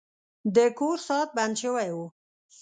د کور ساعت بند شوی و.